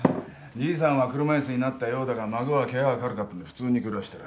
じいさんは車椅子になったようだが孫はケガが軽かったんで普通に暮らしてる。